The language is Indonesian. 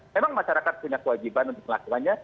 memang masyarakat punya kewajiban untuk melakukannya